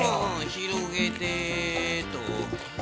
ひろげて。